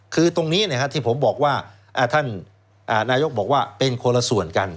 คือตรงนี้ที่ผมบอกว่าท่านนายกบอกว่าเป็นคนละส่วนกัน